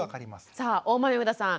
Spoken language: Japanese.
さあ大豆生田さん